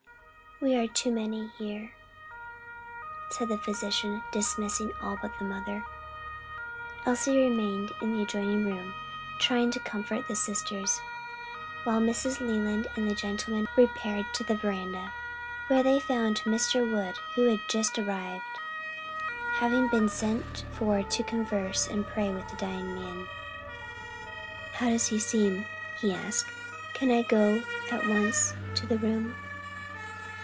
"We are too many here," said the physician, dismissing all but the mother. Elsie remained in an adjoining room, trying to comfort the sisters, while Mrs. Leland and the gentlemen repaired to the veranda, where they found Mr. Wood, who had just arrived; having been sent for to converse and pray with the dying man. "How does he seem?" he asked, "can I go at once to the room?"